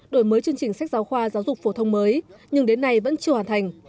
đổi mới chương trình sách giáo khoa giáo dục phổ thông mới nhưng đến nay vẫn chưa hoàn thành